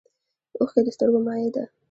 اوښکې د سترګو مایع ده